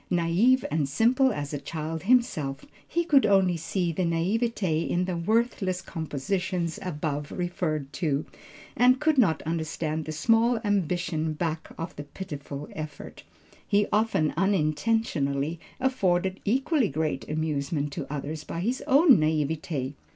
Naïve and simple as a child himself, he could only see the naïveté in the worthless compositions above referred to, and could not understand the small ambition back of the pitiful effort. He often unintentionally afforded equally great amusement to others by his own naïveté.